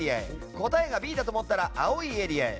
答えがＢだと思ったら青いエリアへ。